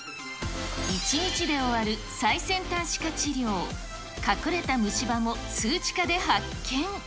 １日で終わる最先端歯科治療、隠れた虫歯も数値化で発見。